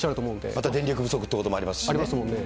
また電力不足ということもあありますもんね。